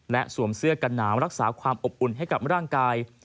และสวมเสื้อกันหนาวรักษาความอบอุ่นให้กับร่างกาย